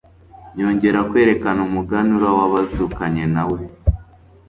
Yongera kwerekana umuganura w'abazukanye na we,